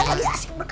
apa lagi asik asik